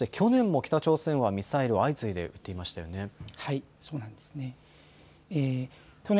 そして去年も北朝鮮はミサイルを相次いで撃っていましたよね。